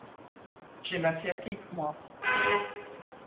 J’ai ma sciatique, moi.